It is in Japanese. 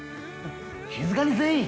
静かにせい。